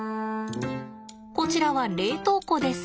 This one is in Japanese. こちらは冷凍庫です。